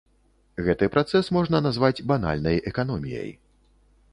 Гэты працэс можна назваць банальнай эканоміяй.